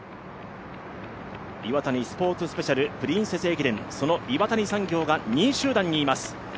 Ｉｗａｔａｎｉスポーツスペシャル・プリンセス駅伝、その岩谷産業が２位集団にいます。